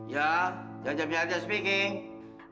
ya jangan jangan jangan speaking